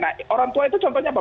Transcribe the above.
nah orang tua itu contohnya apa